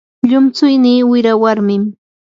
llumtsuynii wira warmim.